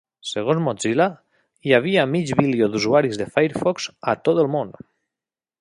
Segons Mozilla, hi havia mig bilió d'usuaris de Firefox a tot el món.